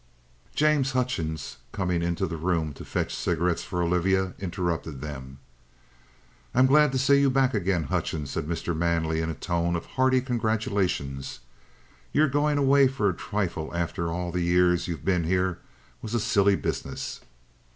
James Hutchings, coming into the room to fetch cigarettes for Olivia, interrupted them. "I'm glad to see you back again, Hutchings," said Mr. Manley in a tone of hearty congratulation. "Your going away for a trifle after all the years you've been here was a silly business."